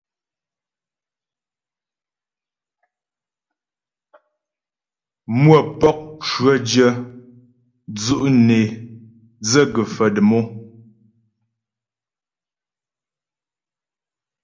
Mmwə̌pɔk cwətyə́ dzʉ' nè dzə̂ gə̀faə̀ dəm o.